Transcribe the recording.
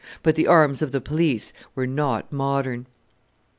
But the arms of the police were not "modern"!